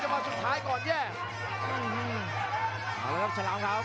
คำสาปแสปลงครับ